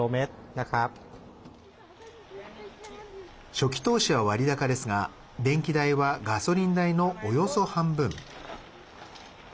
初期投資は割高ですが電気代はガソリン代のおよそ半分。